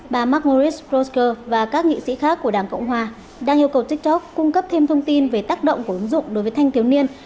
bà margoris proster và các nghị sĩ khác của đảng cộng hòa đang yêu cầu tiktok cung cấp thêm thông tin về tác động của ứng dụng đối với thanh thiếu niên